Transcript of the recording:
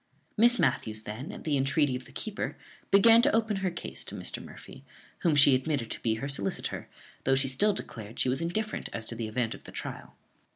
Miss Matthews then, at the entreaty of the keeper, began to open her case to Mr. Murphy, whom she admitted to be her solicitor, though she still declared she was indifferent as to the event of the trial.